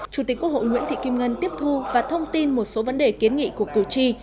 chủ tịch quốc hội nguyễn thị kim ngân tiếp thu và thông tin một số vấn đề kiến nghị của cử tri